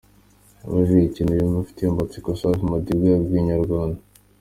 Abajijwe ikintu yumva afitiye amatsiko, Safi Madiba yabwiye Inyarwanda.